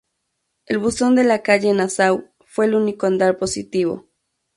El buzón de la calle Nassau fue el único en dar positivo.